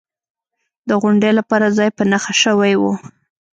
د غونډې لپاره ځای په نښه شوی و.